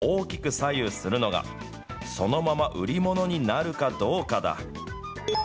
買い取り額を大きく左右するのが、そのまま売り物になるかどうかだ。